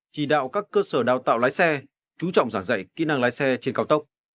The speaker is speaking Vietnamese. chỉ đạo các cơ sở đào tạo lái xe chú trọng giảng dạy kỹ năng lái xe trên cao tốc